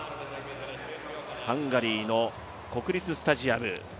ハンガリーの国立スタジアム